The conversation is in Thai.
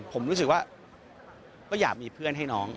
ผมรู้สึกว่าก็อยากมีเพื่อนให้น้อง